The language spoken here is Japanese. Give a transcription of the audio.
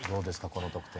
この得点。